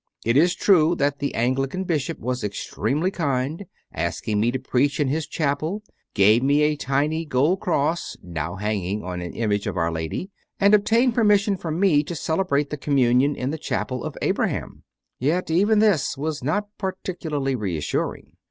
It is true that the Anglican Bishop was extremely kind, asked me to preach in his chapel, gave me a tiny gold cross (now hanging CONFESSIONS OF A CONVERT 47 on an image of Our Lady), and obtained permission for me to celebrate the Communion in the Chapel of Abraham. Yet even this was not particularly reassuring.